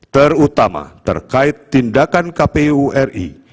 terutama terkait tindakan kpu ri